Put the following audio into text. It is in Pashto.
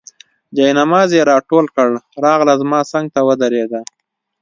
جاینماز یې راټول کړ، راغله زما څنګ ته ودرېده.